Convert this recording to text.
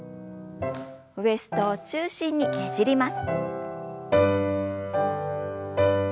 ウエストを中心にねじります。